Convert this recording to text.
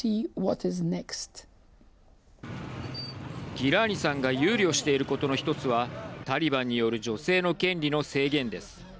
ギラーニさんが憂慮していることの１つはタリバンによる女性の権利の制限です。